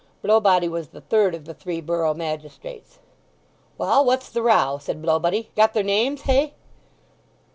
(Blowbody was the third of the three borough magistrates.) "Well, what's the row?" said Blowbody. "Got their names—hey?"